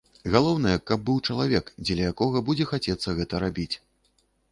Галоўнае, каб быў чалавек, дзеля якога будзе хацецца гэта рабіць.